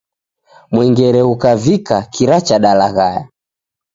Mwengere ghukavika, kira chadalaghaya.